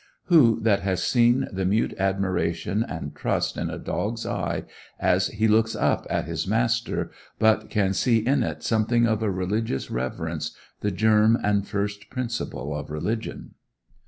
Who that has seen the mute admiration and trust in a dog's eye, as he looks up at his master, but can see in it something of a religious reverence, the germ and first principle of religion?